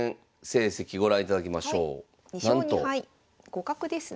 互角ですね。